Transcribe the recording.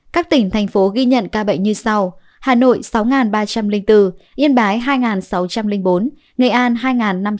các tỉnh thành phố ghi nhận ca bệnh như sau